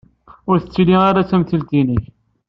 Ur telli ara d tamtilt-nnek.